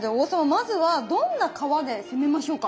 まずはどんな皮で攻めましょうか？